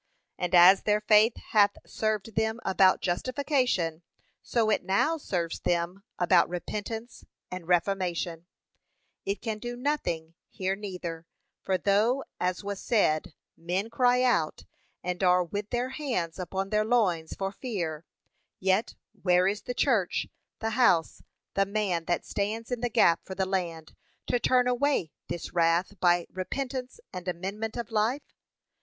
And as their faith hath served them about justification, so it now serves them about repentance and reformation: it can do nothing here neither; for though, as was said, men cry out, and are with their hands upon their loins for fear; yet, where is the church, the house, the man that stands in the gap for the land, to turn away this wrath by repentance, and amendment of life?